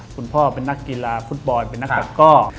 คุณพ่อเป็นนักกีฬาฟุตบอลเป็นนักตะก้อ